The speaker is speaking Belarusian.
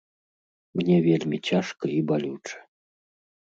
Мне вельмі цяжка і балюча.